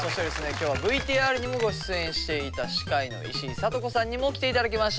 今日はＶＴＲにもご出演していた歯科医の石井さとこさんにも来ていただきました。